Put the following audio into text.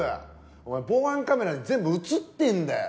お前防犯カメラに全部映ってんだよ！